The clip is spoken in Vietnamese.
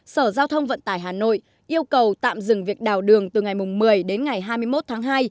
sở giao thông vận tải hà nội yêu cầu tạm dừng việc đào đường từ ngày một mươi đến ngày hai mươi một tháng hai